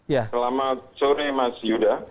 selamat sore mas yuda